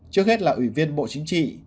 trước hết là ủy viên bộ chính trị